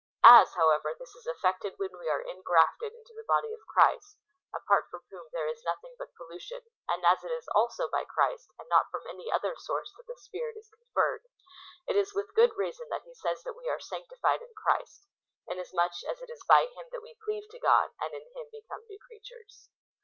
As, hoAvever, this is effected when we are ingrafted into the body of Christ, apart from whom there is nothing but pollution, and as it is also by Christ, and not from any other source that the Spirit is con ferred, it is with good reason that he says that we are sanctified in Christ, inasmuch as it is by Him that we cleave tp God, and in Him become new creatures.'